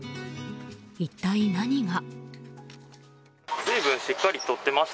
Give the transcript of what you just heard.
一体何が。